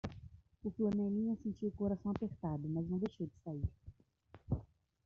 O flanelinha sentiu o coração apertado, mas não deixou de sair